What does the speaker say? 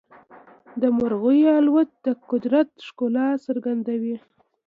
د مرغیو الوت د قدرت ښکلا څرګندوي.